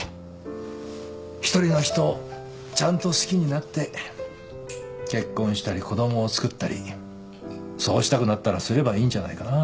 一人の人をちゃんと好きになって結婚したり子供をつくったりそうしたくなったらすればいいんじゃないかな。